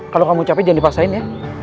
kalau kamu capek jangan dipaksain ya